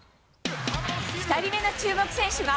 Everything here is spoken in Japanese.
２人目の注目選手は。